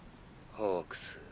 ホークス